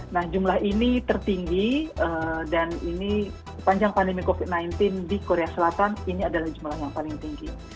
nah jumlah ini tertinggi dan ini sepanjang pandemi covid sembilan belas di korea selatan ini adalah jumlah yang paling tinggi